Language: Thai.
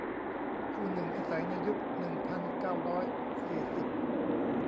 คู่หนึ่งอาศัยในยุค หนึ่งพันเก้าร้อยสี่สิบ